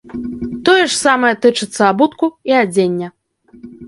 Тое ж самае тычыцца абутку, і адзення.